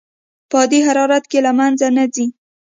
په عادي حرارت کې له منځه نه ځي.